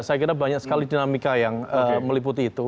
saya kira banyak sekali dinamika yang meliputi itu